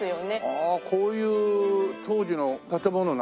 ああこういう当時の建物なんだ。